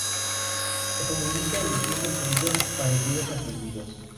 Se comunica emitiendo sonidos parecidos a silbidos.